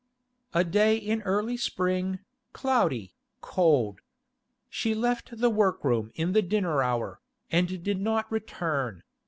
A day in early spring, cloudy, cold. She left the workroom in the dinner hour, and did not return.